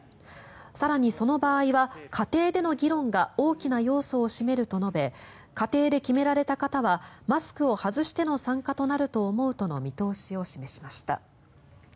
更にその場合は家庭での議論が大きな要素を占めると述べ家庭で決められた方はマスクを外しての参加となると思うとの見通しを示しました。